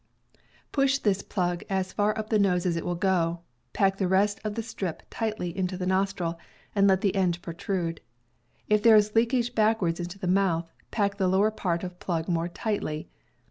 Push this plug as far up the nose as it will go, pack the rest of the strip tightly into the nostril, and let the end protrude. If there is leakage backward into the mouth, pack the lower part of plug more tightly.